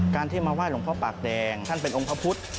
ที่มาไห้หลวงพ่อปากแดงท่านเป็นองค์พระพุทธ